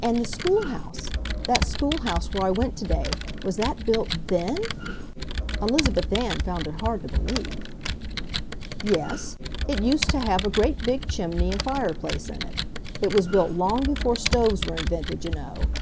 "And the schoolhouse—that schoolhouse where I went today—was that built THEN?" Elizabeth Ann found it hard to believe. "Yes, it used to have a great big chimney and fireplace in it. It was built long before stoves were invented, you know."